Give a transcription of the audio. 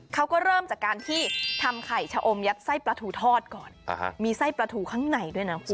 เขาก็เริ่มจากการที่ทำไข่ชะอมยัดไส้ปลาทูทอดก่อนมีไส้ปลาทูข้างในด้วยนะคุณ